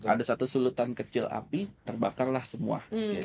ada satu sulutan kecil api terbakarlah semua